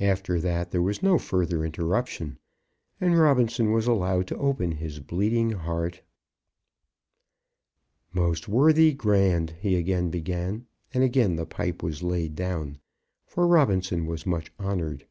After that there was no further interruption, and Robinson was allowed to open his bleeding heart. "Most worthy Grand," he again began, and again the pipe was laid down, for Robinson was much honoured.